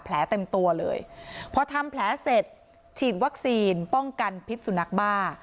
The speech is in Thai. เต็มตัวเลยพอทำแผลเสร็จฉีดวัคซีนป้องกันพิษสุนัขบ้า